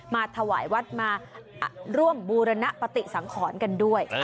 มาถวายวัดมาร่วมบูรณปฏิสังขรกันด้วย